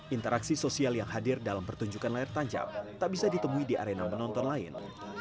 interaksi sosial yang hadir dalam pertunjukan layar tancap tak bisa ditemui di arena menonton lain